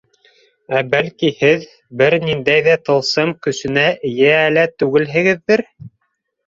Ә, бәлки, һеҙ бер ниндәй ҙә тылсым көсөнә эйә лә түгелһегеҙҙер?